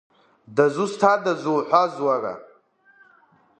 Дызусҭадаз зуҳәаз, уара?!